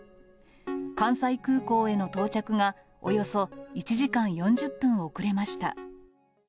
関西空港への到着が、およそ１時間４０分遅れました。